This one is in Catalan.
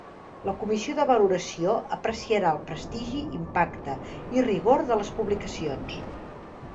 La Comissió de Valoració apreciarà el prestigi, impacte i rigor de les publicacions.